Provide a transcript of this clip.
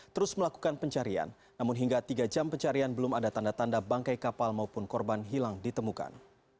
terus melakukan pencarian namun hingga tiga jam pencarian belum ada tanda tanda bangkai kapal maupun korban hilang ditemukan